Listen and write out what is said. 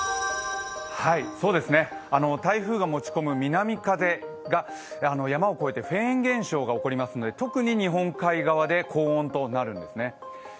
台風が持ち込む南風が山を越えてフェーン現象が起こりますので、特に日本海側で高温となるんですね。